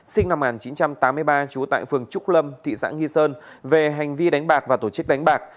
sinh năm một nghìn chín trăm tám mươi ba trú tại phường trúc lâm thị xã nghi sơn về hành vi đánh bạc và tổ chức đánh bạc